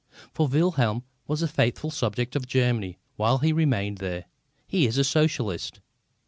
For Wilhelm was a faithful subject of Germany while he remained there. He is a Socialist.